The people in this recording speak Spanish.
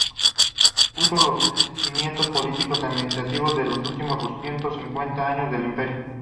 Puso los cimientos político-administrativos de los últimos doscientos cincuenta años del imperio.